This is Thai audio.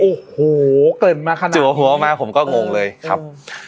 โอ้โหเกริ่นมาขนาดนี้หัวมาผมก็งงเลยครับ